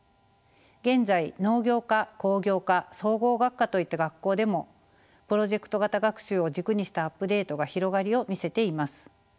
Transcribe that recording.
現在農業科工業科総合学科といった学校でもプロジェクト型学習を軸にしたアップデートが広がりを見せています。